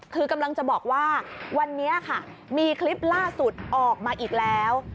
คือกำลังจะบอกว่าวันนี้ค่ะมีคลิปล่าสุดออกมาอีกแล้ว